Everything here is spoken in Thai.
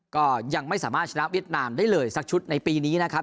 ก็ยังไม่สามารถชนะเวียดนามได้เลยสักชุดในปีนี้นะครับ